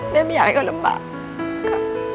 แม่ไม่อยากให้เขารำบาก